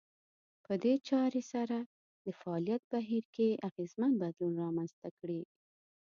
په دې چارې سره د فعاليت بهير کې اغېزمن بدلون رامنځته کړي.